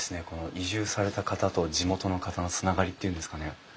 この移住された方と地元の方のつながりっていうんですかね。